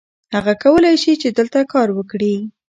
هغه کولی شي چې دلته کار وکړي.